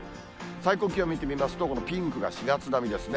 最高気温見てみますと、このピンクが４月並みですね。